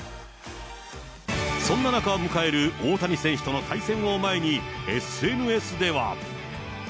そんな中迎える大谷選手との対戦を前に、ＳＮＳでは。